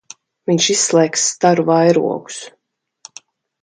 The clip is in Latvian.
Viņš izslēgs staru vairogus.